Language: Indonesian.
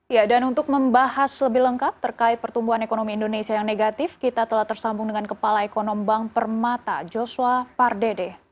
ya dan untuk membahas lebih lengkap terkait pertumbuhan ekonomi indonesia yang negatif kita telah tersambung dengan kepala ekonomi bank permata joshua pardede